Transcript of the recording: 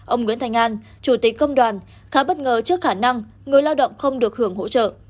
ông nguyễn thành an chủ tịch công đoàn khá bất ngờ trước khả năng người lao động không được hưởng hỗ trợ